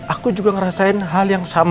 aku juga ngerasain hal yang sama